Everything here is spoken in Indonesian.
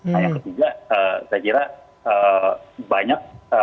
nah yang ketiga saya kira banyak